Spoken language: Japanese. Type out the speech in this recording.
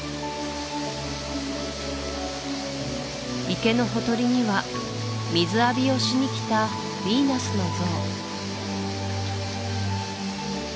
池のほとりには水浴びをしに来たヴィーナスの像